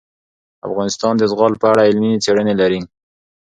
افغانستان د زغال په اړه علمي څېړنې لري.